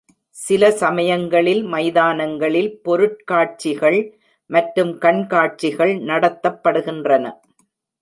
சில சமயங்களில் மைதானங்களில் பொருட்காட்சிகள் மற்றும் கண்காட்சிகள் நடத்தப்படுகின்றன.